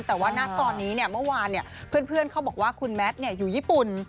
แต่ว่าณตอนนี้เมื่อวานเพื่อนเขาบอกว่าคุณแมทอยู่ญี่ปุ่น